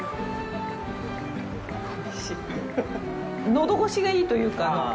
のどごしがいいというか。